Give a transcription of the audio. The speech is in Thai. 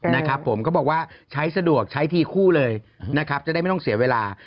นะครับผมก็บอกว่าใช้สะดวกใช้ทีคู่เลยนะครับจะได้ไม่ต้องเสียเวลา